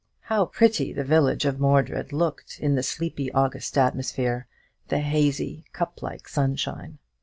How pretty the village of Mordred looked in the sleepy August atmosphere, the hazy, Cuyp like sunshine!